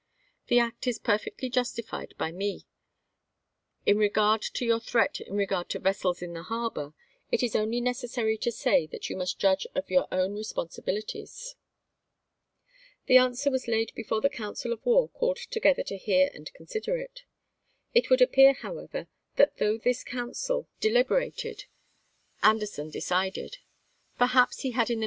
The act is perfectly justified by me. In regard to your threat in regard to ,.,..& Pickens to vessels in the harbor, it is only necessary to say j^^™^ that you must judge of your own responsibili ^■^■'jJfL ties." The answer was laid before the council of war called together to hear and consider it. It would Doubieday, appear, however, that though this council delib sumterand erated, Anderson decided. Perhaps he had in the p.